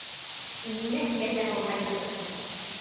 Ниңә кәзә һаумайһығыҙ?